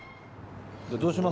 どうします？